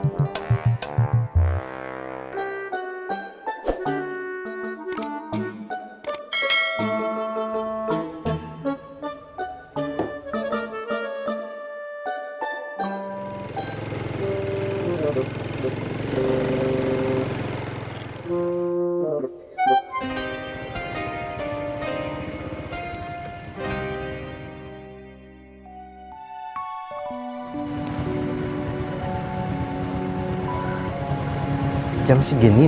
gak ada siapa siapa